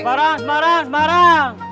semarang semarang semarang